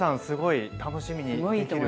すごい楽しみにできる。